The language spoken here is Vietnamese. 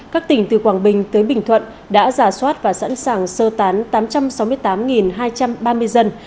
các tỉnh từ quảng bình tới bình thuận đã giả soát và sẵn sàng sơ tán tám trăm sáu mươi tám hai trăm ba mươi dân